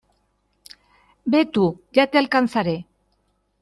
Ve tú. Ya te alcanzaré .